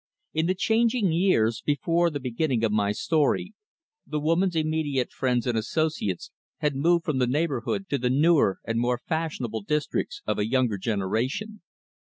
In the changing years, before the beginning of my story, the woman's immediate friends and associates had moved from the neighborhood to the newer and more fashionable districts of a younger generation.